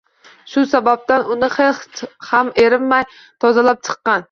Shu sababdan uni ham erinmay tozalab chiqqan.